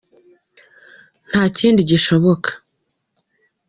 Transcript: ntakindi gishoboka.